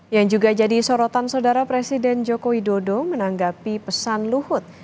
yang juga jadi sorotan saudara presiden joko widodo menanggapi pesan luhut